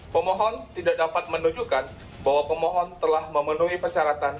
pemohon tidak dapat menunjukkan bahwa pemohon telah memenuhi persyaratan